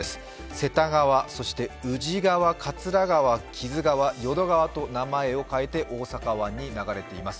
瀬田川、そして宇治川、桂川、木津川、淀川と名前を変えて大阪湾に流れています。